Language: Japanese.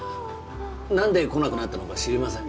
何で来なくなったのか知りません？